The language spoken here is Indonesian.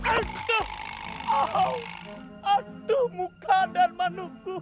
aduh aduh muka darmanuku